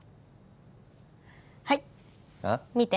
はい見て